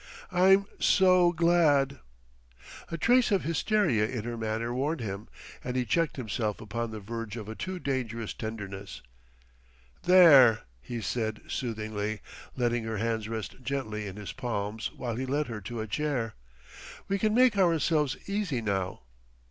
"I'm so glad...." A trace of hysteria in her manner warned him, and he checked himself upon the verge of a too dangerous tenderness. "There!" he said soothingly, letting her hands rest gently in his palms while he led her to a chair. "We can make ourselves easy now."